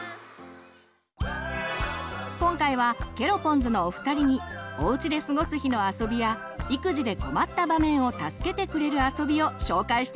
今回はケロポンズのお二人におうちで過ごす日のあそびや育児で困った場面を助けてくれるあそびを紹介してもらいます！